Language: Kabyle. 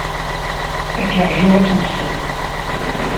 Ad k-ṛjuɣ ass n ssebt.